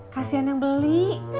kasian yang beli